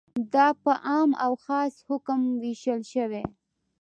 دا په عام او خاص حکم ویشل شوی.